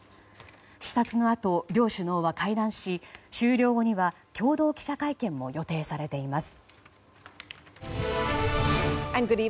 視察のあと、両首脳は会談し終了後には共同記者会見も予定されています。